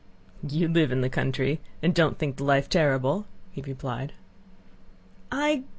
"You live in the country and don't think the life terrible," he replied. "I...